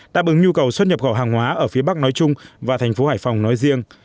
đáp ứng nhu cầu xuất nhập gò hàng hóa ở phía bắc nói chung và thành phố hải phòng nói riêng